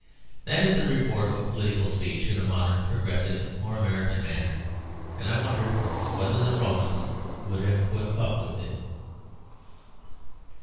That is the report of a political speech in a modern, progressive, or American manner, and I wonder whether the Romans would have put up with it.